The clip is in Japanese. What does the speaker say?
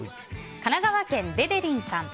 神奈川県の方。